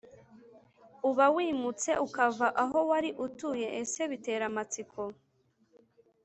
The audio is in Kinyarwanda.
uba wimutse ukava aho wari utuye Ese bitera amatsiko